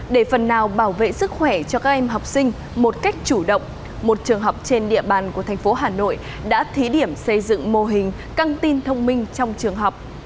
để phần nào bảo vệ sức khỏe cho các em học sinh một cách chủ động một trường học trên địa bàn của thành phố hà nội đã thí điểm xây dựng mô hình căng tin thông minh trong trường học